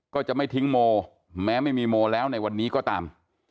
ก็จะไม่ทิ้งโมแม้ไม่มีโมแล้วในวันนี้ก็ตาม